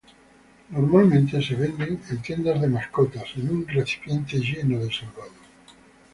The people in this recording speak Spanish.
Normalmente se venden en tiendas de mascotas en un recipiente lleno de salvado.